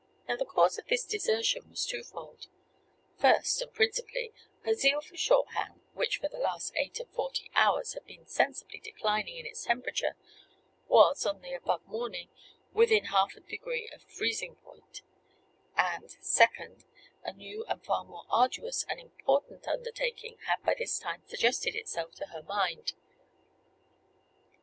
Now the cause of this desertion was twofold: first, and principally, her zeal for shorthand, which for the last eight and forty hours had been sensibly declining in its temperature, was, on the above morning, within half a degree of freezing point; and, second, a new and far more arduous and important undertaking had by this time suggested itself to her mind.